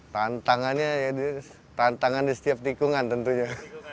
tantangannya ya tantangan di setiap tikungan tentunya